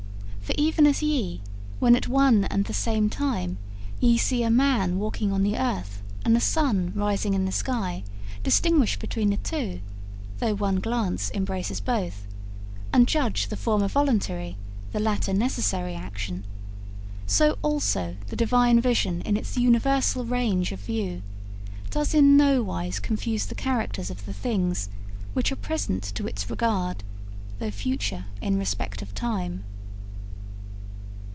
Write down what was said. For even as ye, when at one and the same time ye see a man walking on the earth and the sun rising in the sky, distinguish between the two, though one glance embraces both, and judge the former voluntary, the latter necessary action: so also the Divine vision in its universal range of view does in no wise confuse the characters of the things which are present to its regard, though future in respect of time.